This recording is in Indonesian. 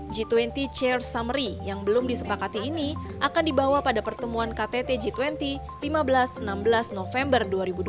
g dua puluh chair summary yang belum disepakati ini akan dibawa pada pertemuan ktt g dua puluh lima belas enam belas november dua ribu dua puluh